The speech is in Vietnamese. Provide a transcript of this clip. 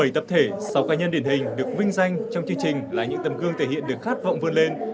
bảy tập thể sáu cá nhân điển hình được vinh danh trong chương trình là những tầm gương thể hiện được khát vọng vươn lên